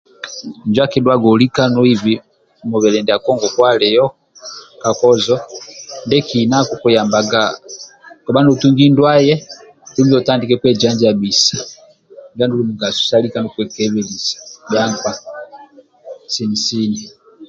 Ndia akidhuaga olika noibi nesi mubili ndiako alio ka kozo ndiekina kobha notungi ndwali dumbi otadike kwe janjabisa